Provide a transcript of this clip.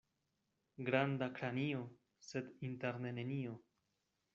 Granda kranio, sed interne nenio.